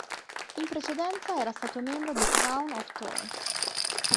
In precedenza era stato membro dei Crown of Thorns.